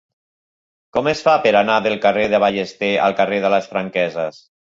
Com es fa per anar del carrer de Ballester al carrer de les Franqueses?